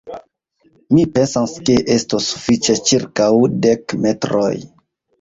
Mi pensas, ke estos sufiĉe ĉirkaŭ dek metroj!